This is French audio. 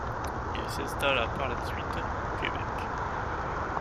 Il s'installa par la suite au Québec.